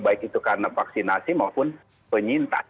baik itu karena vaksinasi maupun penyintas